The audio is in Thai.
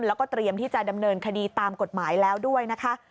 แล้วก็เตรียมที่จะดำเนินคดีตามกฎหมายแล้วด้วยนะคะ